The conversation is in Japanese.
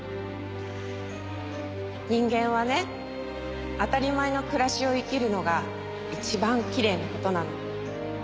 人間はね当たり前の暮らしを生きるのがいちばんきれいなことなの。